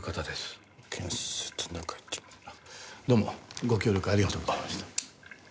どうもご協力ありがとうございました。